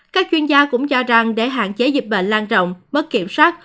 các chuyên gia cũng cho rằng để hạn chế dịch bệnh lan rộng mất kiểm soát